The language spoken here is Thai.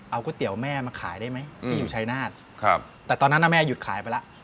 เอาก๋วยเตี๋ยวแม่มาขายได้ไหมที่อยู่ชายนาฏครับแต่ตอนนั้นน่ะแม่หยุดขายไปแล้ว